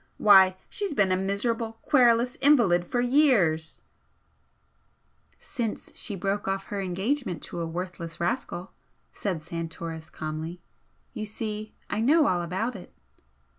"Why, she's been a miserable, querulous invalid for years " "Since she broke off her engagement to a worthless rascal" said Santoris, calmly. "You see, I know all about it."